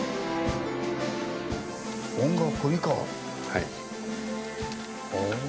はい。